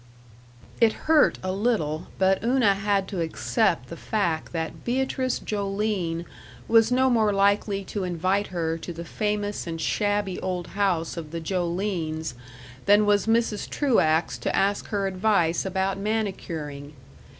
§ 2 It hurt a little, but Una had to accept the fact that Beatrice Joline was no more likely to invite her to the famous and shabby old house of the Jolines than was Mrs. Truax to ask her advice about manicuring.